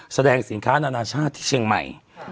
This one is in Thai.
แสดงสินค้านานาชาติที่เชียงใหม่